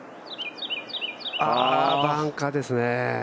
バンカーですね。